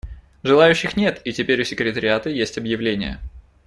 Желающих нет, и теперь у секретариата есть объявления.